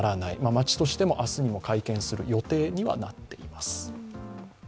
町としても明日には会見する予定となっています。